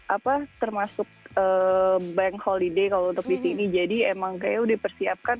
apa termasuk bank holiday kalau untuk disini jadi emang kayaknya udah disiapkan